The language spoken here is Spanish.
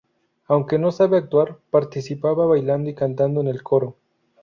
Aunque no sabía actuar, participaba bailando y cantando en el coro.